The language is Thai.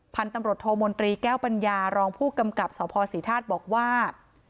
พันธุ์ตำรวจโทมนตรีแก้วปัญญารองผู้กำกับสภศรีธาตุบอกว่า